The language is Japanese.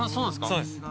そうですか？